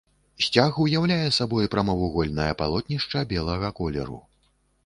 Сцяг уяўляе сабой прамавугольнае палотнішча белага колеру.